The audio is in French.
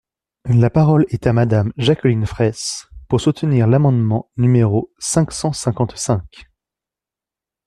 La parole est à Madame Jacqueline Fraysse, pour soutenir l’amendement numéro cinq cent cinquante-cinq.